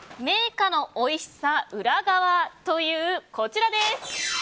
銘菓のおいしさ裏側というこちらです。